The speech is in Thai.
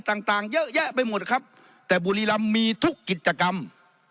ต่างต่างเยอะแยะไปหมดครับแต่บุรีรำมีทุกกิจกรรม